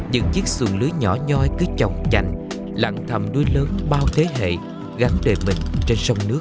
những chiếc xuồng lưới nhỏ nhoi cứ chồng chành lặng thầm đuôi lớn bao thế hệ gắn đời mình trên sông nước